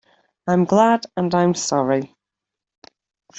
I’m glad and I’m sorry.